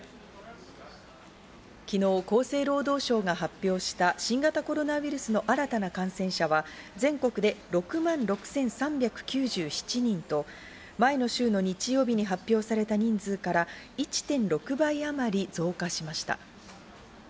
昨日、厚生労働省が発表した新型コロナウイルスの新たな感染者は全国で６万６３９７人と前の週の日曜日に発表された人数から１．６倍あまり増加しました。